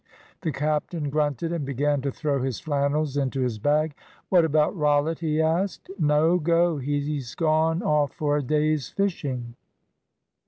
The captain grunted, and began to throw his flannels into his bag. "What about Rollitt?" he asked. "No go. He's gone off for a day's fishing."